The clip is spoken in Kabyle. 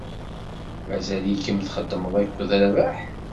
Mazal-ikem txeddmed akked Rabaḥ?